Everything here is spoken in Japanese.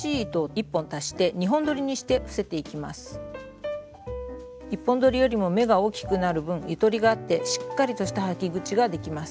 １本どりよりも目が大きくなる分ゆとりがあってしっかりとした履き口ができます。